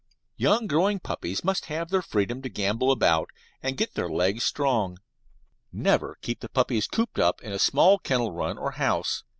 Young growing puppies must have their freedom to gambol about, and get their legs strong. Never keep the puppies cooped up in a small kennel run or house.